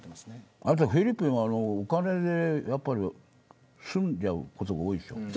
あとフィリピンは、お金で済んじゃうことが多いでしょう。